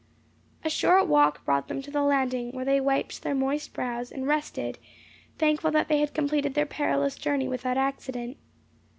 A short walk brought them to the landing; where they wiped their moist brows, and rested, thankful that they had completed their perilous journey without accident.